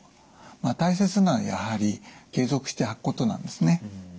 大切なのはやはり継続して履くことなんですね。